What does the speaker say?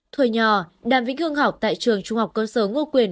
tuổi nhỏ đàm vĩnh hương học tại trường trung học cơ sở ngô quyền